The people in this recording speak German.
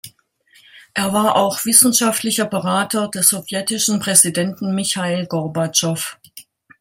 Er war auch wissenschaftlicher Berater des sowjetischen Präsidenten Michail Gorbatschow.